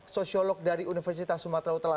sosiolog dari universitas sumatera utara